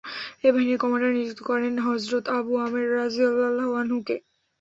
এ বাহিনীর কমান্ডার নিযুক্ত করেন হযরত আবু আমের রাযিয়াল্লাহু আনহু-কে।